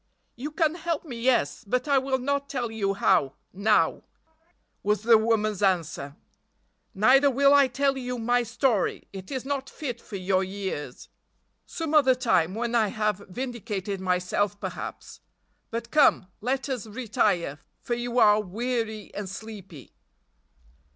"You can help me, yes, but I will not tell you how, now," was the woman's answer; "neither will I tell you my story. It is not fit for your ears. Some other time, when I have vindicated myself perhaps—but come—let us retire, for you are weary and sleepy."